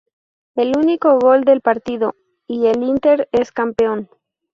Es el único gol del partido y el Inter es campeón.